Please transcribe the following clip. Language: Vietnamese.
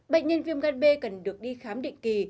bệnh nhân viêm gan b cần được đi khám định kỳ